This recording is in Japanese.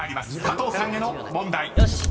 加藤さんへの問題］